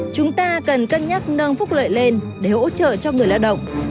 chúng ta cần cân nhắc nâng phúc lợi lên để hỗ trợ cho người lao động